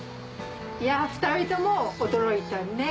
いや２人とも驚いたね。